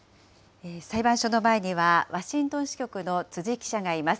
裁判所の前には、ワシントン支局の辻記者がいます。